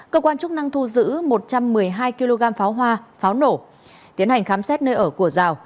cơ quan chức năng thu giữ một trăm một mươi hai kg pháo hoa pháo nổ tiến hành khám xét nơi ở của giào